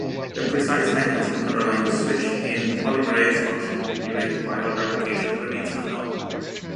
The precise mechanism underlying the switch in polymerase function during viral replication remains unknown.